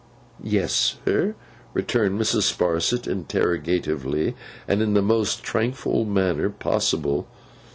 'Yes, sir?' returned Mrs. Sparsit, interrogatively, and in the most tranquil manner possible.